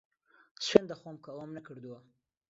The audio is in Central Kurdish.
سوێند دەخۆم کە ئەوەم نەکردووە.